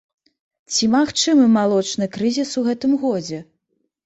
Ці магчымы малочны крызіс у гэтым годзе?